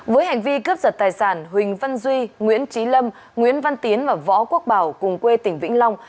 với hành vi cướp giật tài sản huỳnh văn duy nguyễn trí lâm nguyễn văn tiến và võ quốc bảo cùng quê tỉnh vĩnh long